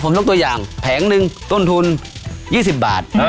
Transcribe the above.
ผมยกตัวอย่างแผงหนึ่งต้นทุน๒๐บาท